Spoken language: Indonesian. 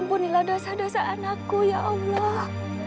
ampunilah dasar dasar anakku ya allah